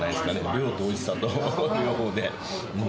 量とおいしさと両方で。